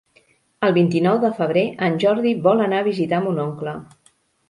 El vint-i-nou de febrer en Jordi vol anar a visitar mon oncle.